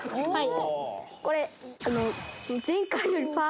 はい。